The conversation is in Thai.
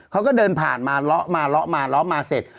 เขาก็เดินผ่านมาเลาะมาเลาะมาเลาะมาเสร็จ